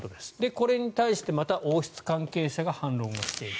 これに対して、また王室関係者が反論をしている。